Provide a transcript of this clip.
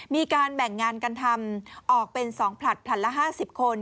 มีการแบ่งงานกันทำออกเป็น๒ผลัดผลัดละ๕๐คน